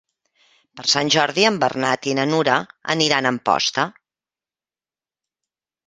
Per Sant Jordi en Bernat i na Nura aniran a Amposta.